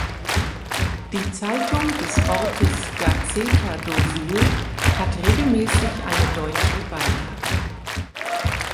Die Zeitung des Ortes "Gazeta do Sul" hat regelmäßig eine deutsche Beilage.